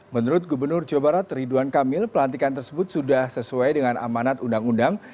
menurut gubernur jawa barat ridwan kamil pelantikan tersebut sudah sesuai dengan amanat undang undang